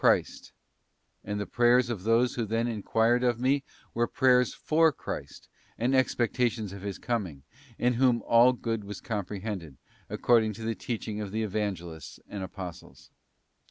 Christ: and the prayers of those who then enquired of Me were prayers for Christ and expectations of His coming, in whom all good was comprehended, according to the teaching of the Evangelists and Apostles.